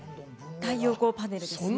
太陽光パネルですね。